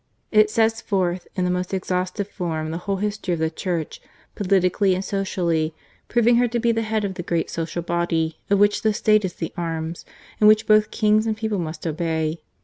It sets forth in the most exhaustive form the whole history of the Church, politically and socially, proving her to be the head of the great social body, of which the State is the arms, and which both kings and people must obey.